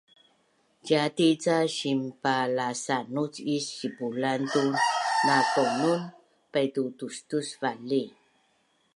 ciati’ ca sinpalsanuc is sipulan tu nakaunun paitu tustusvali